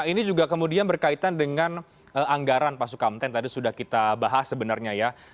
ini juga kemudian berkaitan dengan anggaran pak sukamta yang tadi sudah kita bahas sebenarnya ya